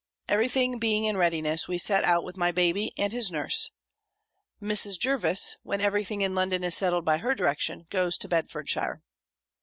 Every thing being in readiness, we set out with my baby, and his nurse. Mrs. Jervis, when every thing in London is settled by her direction, goes to Bedfordshire.